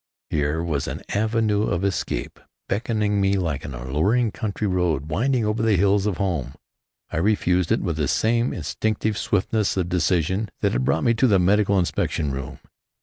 Here was an avenue of escape, beckoning me like an alluring country road winding over the hills of home. I refused it with the same instinctive swiftness of decision that had brought me to the medical inspection room.